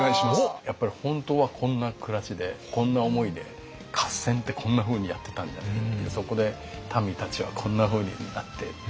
やっぱり本当はこんな暮らしでこんな思いで合戦ってこんなふうにやってたんだねっていうそこで民たちはこんなふうになってっていう。